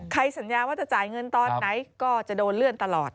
สัญญาว่าจะจ่ายเงินตอนไหนก็จะโดนเลื่อนตลอด